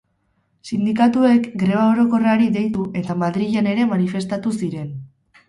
Sindikatuek greba orokorrari deitu eta Madrilen ere manifestatu ziren.